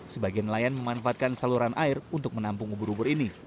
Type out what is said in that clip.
sebagian nelayan memanfaatkan saluran air untuk menampung ubur ubur ini